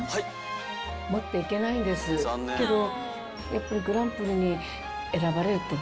けど。